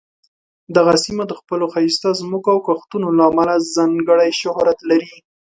دغه سیمه د خپلو ښایسته ځمکو او کښتونو له امله ځانګړې شهرت لري.